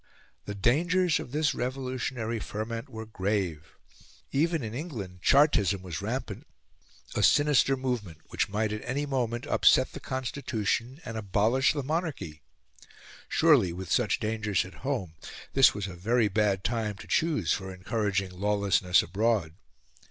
The dangers of this revolutionary ferment were grave; even in England Chartism was rampant a sinister movement, which might at any moment upset the Constitution and abolish the Monarchy. Surely, with such dangers at home, this was a very bad time to choose for encouraging lawlessness abroad.